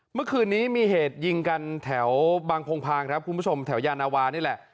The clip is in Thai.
เมื่อคืนนี้มีเหตุยิงกันแถวบางพงพางครับคุณผู้ชมแถวยานาวานี่แหละ